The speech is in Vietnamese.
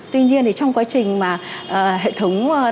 tuy nhiên trong quá trình hệ thống đang hoạt động